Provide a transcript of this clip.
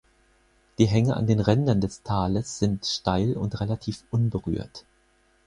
Die Hänge an den Rändern des Tales sind steil und relativ unberührt.